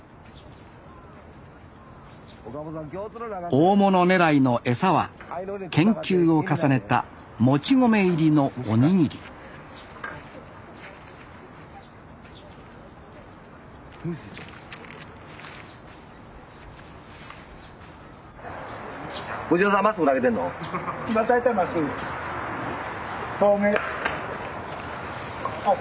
大物狙いの餌は研究を重ねたもち米入りのおにぎり藤原さん